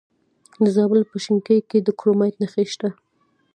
د زابل په شینکۍ کې د کرومایټ نښې شته.